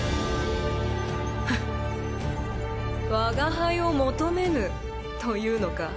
フッ我が輩を求めぬというのか？